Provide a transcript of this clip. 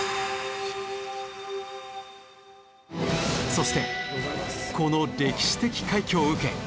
そしてこの歴史的快挙を受け。